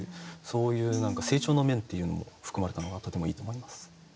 そういう成長の面っていうのも含まれたのがとてもいいと思います。